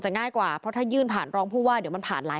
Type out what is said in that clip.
ง่ายกว่าเพราะถ้ายื่นผ่านรองผู้ว่าเดี๋ยวมันผ่านหลาย